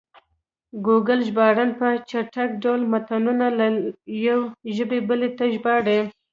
ګوګل ژباړن په چټک ډول متنونه له یوې ژبې بلې ته ژباړي.